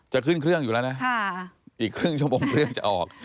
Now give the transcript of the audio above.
จะขึ้นเครื่องอยู่แล้วนะอีกครึ่งชั่วโมงเครื่องจะออก